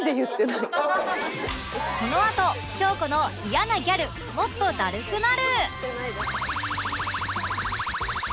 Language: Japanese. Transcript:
このあと京子のイヤなギャルもっとだるくなる！